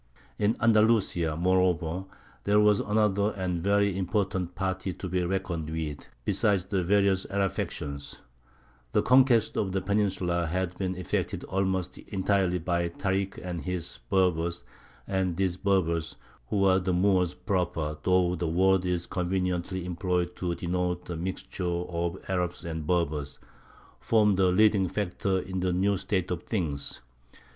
In Andalusia, moreover, there was another and very important party to be reckoned with, besides the various Arab factions. The conquest of the peninsula had been effected almost entirely by Tārik and his Berbers, and these Berbers (who are the Moors proper, though the word is conveniently employed to denote the mixture of Arabs and Berbers) formed a leading factor in the new state of things.